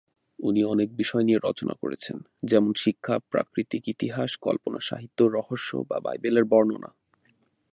উনি অনেক বিষয় নিয়ে রচনা করেছেন, যেমন শিক্ষা, প্রাকৃতিক ইতিহাস, কল্পনা সাহিত্য, রহস্য বা বাইবেলের বর্ণনা।